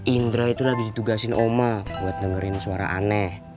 indra itu udah ditugasin oma buat dengerin suara aneh